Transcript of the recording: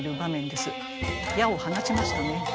矢を放ちましたね。